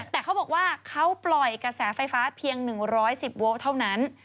แต่เขาบอกว่าเขาปล่อยกระแสไฟฟ้าเพียง๑๑๐โวลต์เท่านั้น